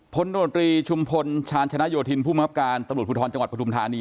พลโนตรีชุมพลชาญชนะโยธินผู้มับการตำรวจภูทรจังหวัดปฐุมธานี